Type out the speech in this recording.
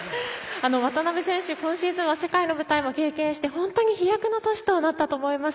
渡辺選手は今シーズンは世界の舞台を経験して本当に飛躍の年となったと思います。